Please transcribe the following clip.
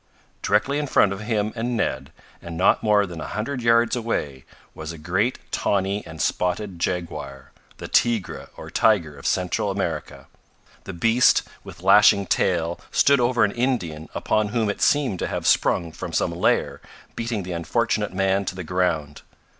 Directly in front of him and Ned, and not more than a hundred yards away, was a great tawny and spotted jaguar the "tigre" or tiger of Central America. The beast, with lashing tail, stood over an Indian upon whom it seemed to have sprung from some lair, beating the unfortunate man to the ground.